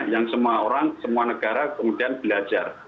yang semua orang semua negara kemudian belajar